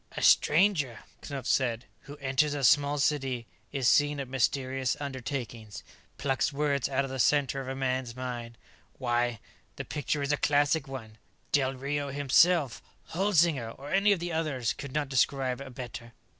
"A stranger," Knupf said, "who enters a small city, is seen at mysterious undertakings, plucks words out of the center of a man's mind ... why, the picture is a classic one. Del Rio himself, Holzinger or any of the others could not describe a better."